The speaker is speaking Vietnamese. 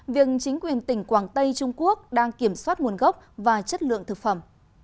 việc chính quyền tỉnh quảng tây trung quốc đang kiểm soát nguồn gốc và chất lượng thực phẩm